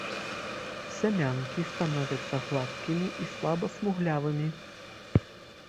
Сямянкі становяцца гладкімі і слаба смуглявымі.